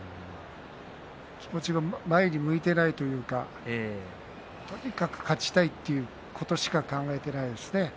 気持ちが前に向いていないというかとにかく勝ちたいということしか考えていないですね。